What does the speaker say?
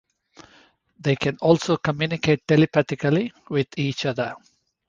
They can also communicate telepathically with each other.